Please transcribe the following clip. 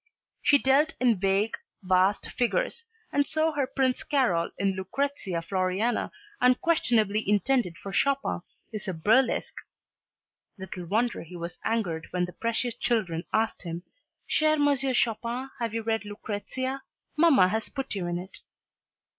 She dealt in vague, vast figures, and so her Prince Karol in "Lucrezia Floriana," unquestionably intended for Chopin, is a burlesque little wonder he was angered when the precious children asked him "Cher M. Chopin, have you read 'Lucrezia'? Mamma has put you in it."